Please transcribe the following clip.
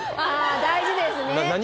あ大事ですね。